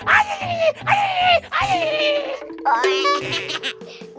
aih aih aih